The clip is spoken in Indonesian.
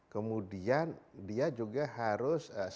kemudian dia juga harus